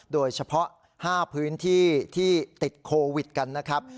โดยเฉพาะ๕พื้นที่ที่ติดโควิดกันนะครับ